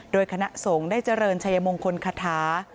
โดยคณะสงฆ์ได้เจริญชัยมงคลคาถา